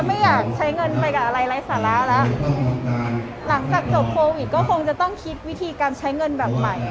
ไปกับอะไรไร้สาระแล้วหลังจากจบโควิดก็คงจะต้องคิดวิธีการใช้เงินแบบใหม่